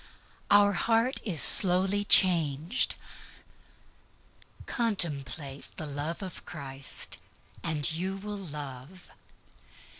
Our heart is slowly changed. Contemplate the love of Christ, and you will love.